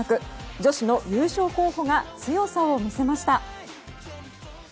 女子の優勝候補が強さを見せました。